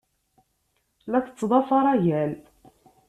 La tettḍafar agal.